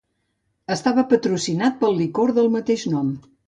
Estava patrocinat pel licor del mateix nom.